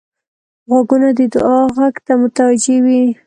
غوږونه د دعا غږ ته متوجه وي